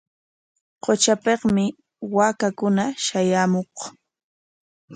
Qutrapikmi waakakuna shayaamuq.